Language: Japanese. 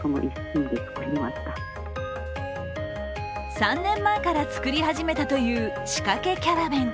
３年前から作り始めたという仕掛けキャラ弁。